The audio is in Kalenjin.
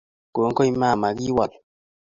Kongoi mama, kiwol